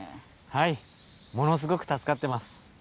はいものすごく助かってます。